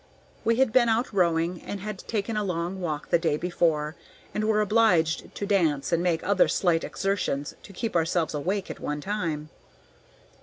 We had been out rowing and had taken a long walk the day before, and were obliged to dance and make other slight exertions to keep ourselves awake at one time.